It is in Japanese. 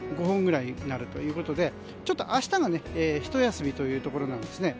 ５本ぐらいになるということで明日はひと休みというところなんです。